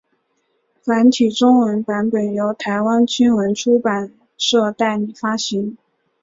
繁体中文版本由台湾青文出版社代理发行。